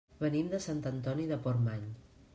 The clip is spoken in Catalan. Venim de Sant Antoni de Portmany.